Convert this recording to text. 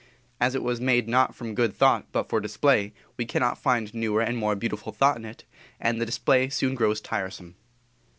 As it was made not from good thought but for display, we cannot find newer and more beautiful thought in it, and the display soon grows tiresome.